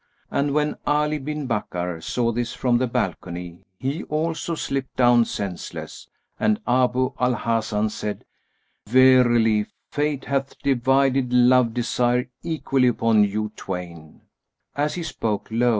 And when Ali bin Bakkar saw this from the balcony he also slipped down senseless, and Abu al Hasan said, "Verily Fate hath divided love desire equally upon you twain!"[FN#192] As he spoke lo!